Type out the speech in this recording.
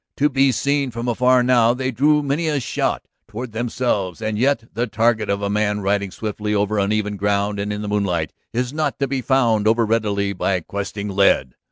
To be seen from afar now, they drew many a shot toward themselves. And yet the target of a man riding swiftly over uneven ground and in the moonlight is not to be found overreadily by questing lead.